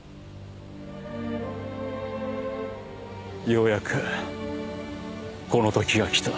ようやくこの時が来た。